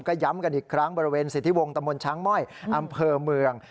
ก็ย้ำกันอีกครั้งบริเวณสิทธิวงตะมนต์ช้างม่อยอำเภอเมือง